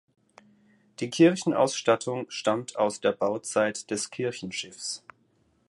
Die Kirchenausstattung stammt aus der Bauzeit des Kirchenschiffs.